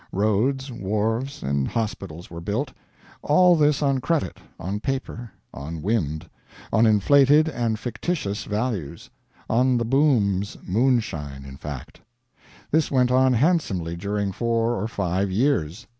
Roads, wharves, and hospitals were built. All this on credit, on paper, on wind, on inflated and fictitious values on the boom's moonshine, in fact. This went on handsomely during four or five years.